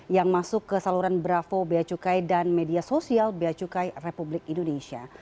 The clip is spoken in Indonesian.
yang masuk ke saluran bravo bea cukai dan media sosial bea cukai republik indonesia